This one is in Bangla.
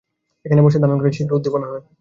এখানে বসে ধ্যানধারণা করলে শীঘ্র উদ্দীপনা হয়।